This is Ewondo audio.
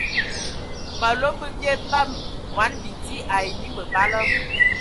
Malom bə bie bam mɔni bidi ai enyi məbala.